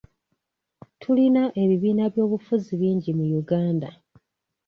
Tulina ebibiina by'obufuzi bingi mu Uganda.